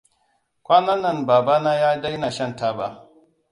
Kwanan nan babana ya daina shan taba.